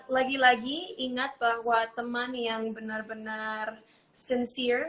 lagi lagi ingat bahwa teman yang benar benar sensire